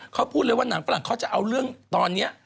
เขาพูดเลยว่าหนังฝรั่งเขาจะเอาเรื่องตอนนี้